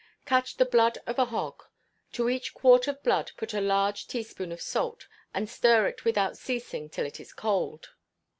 Catch the blood of a hog; to each quart of blood put a large teaspoonful of salt, and stir it without ceasing till it is cold.